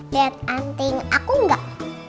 lihat anting aku enggak